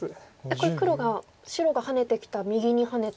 これ黒が白がハネてきた右にハネたら。